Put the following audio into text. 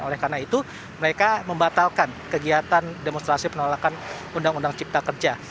oleh karena itu mereka membatalkan kegiatan demonstrasi penolakan undang undang cipta kerja